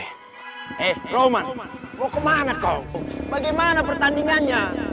eh roman mau ke mana kau bagaimana pertandingannya